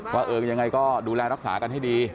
ว่าเออยังไงก็ดูแลรักษากันให้ดี